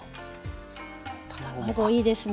卵いいですね。